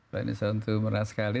prednisone itu murah sekali